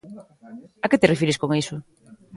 A que te refires con iso?